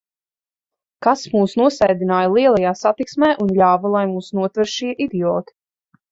Kas mūs nosēdināja lielajā satiksmē un ļāva, lai mūs notver šie idioti?